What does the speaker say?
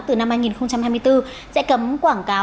từ năm hai nghìn hai mươi bốn sẽ cấm quảng cáo